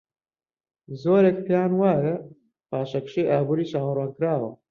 زۆرێک پێیان وایە پاشەکشەی ئابووری چاوەڕوانکراوە.